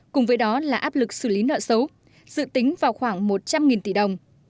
cùng với đó là áp lực xử lý nợ xấu dự tính vào khoảng một trăm linh tỷ đồng